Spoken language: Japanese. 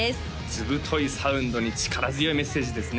ずぶといサウンドに力強いメッセージですね